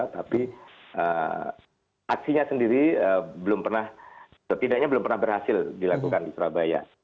tapi aksinya sendiri setidaknya belum pernah berhasil dilakukan di surabaya